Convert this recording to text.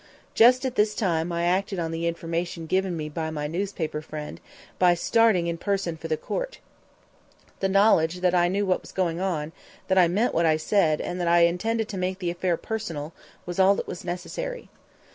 Just at this time I acted on the information given me by my newspaper friend by starting in person for the court. The knowledge that I knew what was going on, that I meant what I said, and that I intended to make the affair personal, was all that was necessary.